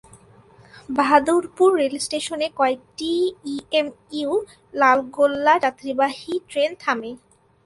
বাহাদুরপুর রেলস্টেশনে কয়েকটি ইএমইউ এবং লালগোলা যাত্রীবাহী ট্রেন থামে।